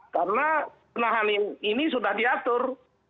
karena penahanan ini sudah diatur